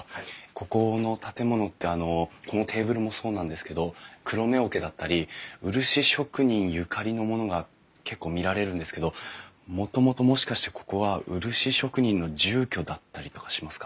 ここの建物ってあのこのテーブルもそうなんですけどくろめ桶だったり漆職人ゆかりのものが結構見られるんですけどもともともしかしてここは漆職人の住居だったりとかしますか？